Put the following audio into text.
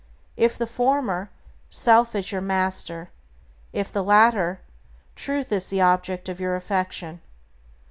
If the former, self is your master; if the latter, Truth is the object of your affection.